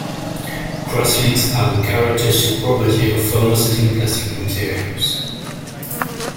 Cross-links are the characteristic property of thermosetting plastic materials.